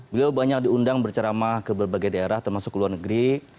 beliau banyak diundang berceramah ke berbagai daerah termasuk ke luar negeri